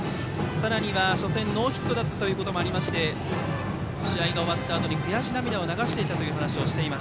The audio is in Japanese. さらには初戦でノーヒットということもありまして試合が終わったあとに悔し涙を流していたということです。